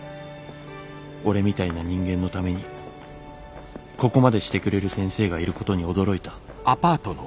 俺みたいな人間のためにここまでしてくれる先生がいることに驚いた」。